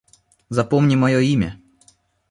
Запомни моё имя